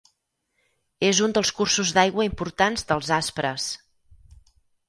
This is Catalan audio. És un dels cursos d'aigua importants dels Aspres.